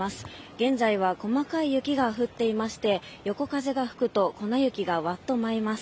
現在は細かい雪が降っていまして横風が吹くと、粉雪が、わっと舞います。